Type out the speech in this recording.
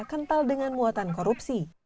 kental dengan muatan korupsi